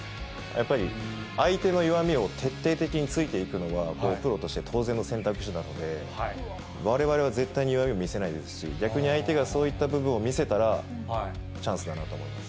やっぱり相手の弱みを徹底的についていくのは、プロとして当然の選択肢なので、われわれは絶対に弱みを見せないですし、逆に相手がそういった部分を見せたら、チャンスだなと思います。